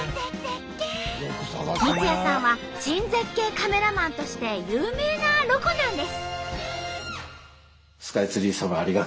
三矢さんは珍絶景カメラマンとして有名なロコなんです。